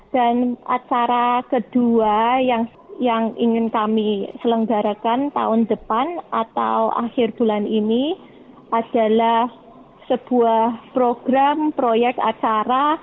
acara kedua yang ingin kami selenggarakan tahun depan atau akhir bulan ini adalah sebuah program proyek acara